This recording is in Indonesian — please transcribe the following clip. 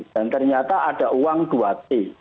dan ternyata ada uang dua t